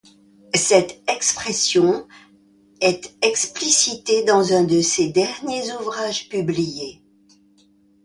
Cette expression est explicitée dans un de ses derniers ouvrages publiés.